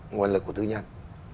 nguồn lực của tư nhân